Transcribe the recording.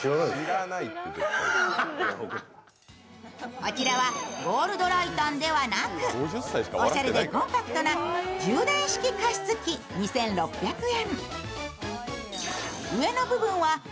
こちらはゴールドライタンではなく、おしゃれでコンパクトな充電式加湿器２６００円。